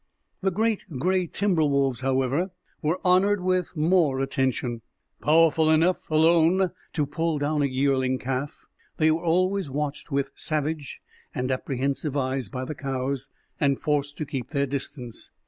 The great gray timber wolves, however, were honored with more attention. Powerful enough alone to pull down a yearling calf, they were always watched with savage and apprehensive eyes by the cows, and forced to keep their distance.